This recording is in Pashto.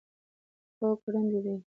هو، ګړندی دی